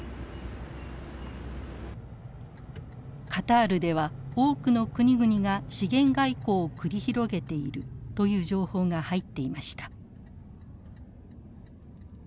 カタールでは多くの国々が資源外交を繰り広げているという情報が入っていました。